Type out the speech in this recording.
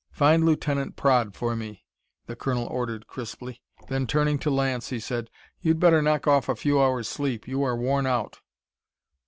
"Find Lieutenant Praed for me," the colonel ordered crisply. Then, turning to Lance, he said: "You'd better knock off a few hours' sleep. You are worn out."